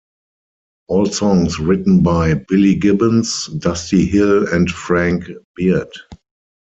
All songs written by Billy Gibbons, Dusty Hill and Frank Beard.